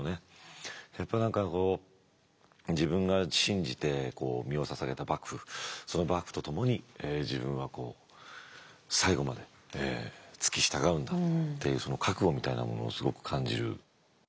やっぱり何かこう自分が信じて身をささげた幕府その幕府と共に自分は最後まで付き従うんだっていうその覚悟みたいなものをすごく感じる。